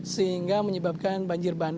sehingga menyebabkan banjir bandang